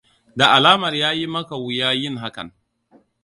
Da alamar yayi maka wuya yin hakan.